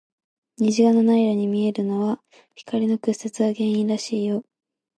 虹が七色に見えるのは、光の屈折が原因らしいよ。